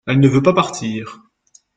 elle ne veut pas partir.